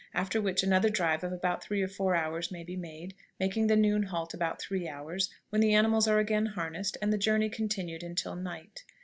After which another drive of about three hours may be made, making the noon halt about three hours, when the animals are again harnessed, and the journey continued until night.